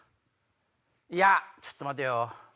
いやちょっと待てよ。